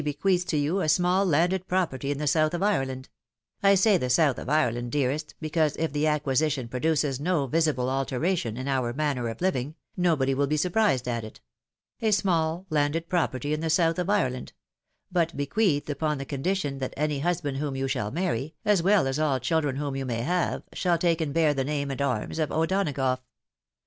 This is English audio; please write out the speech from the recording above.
bequeaths to you a small landed property in the south of Ireland — I say the south of Ireland, dearest, because if the acquisition produces no visible alteration in our manner of living, nobody will be surprised at it — a small landed property in the south of Ireland — ^but bequeathed upon the condition that any husband whom you shall marry, as well as aU children whom you may have, shall take and bear the name and arms of O'Donagough.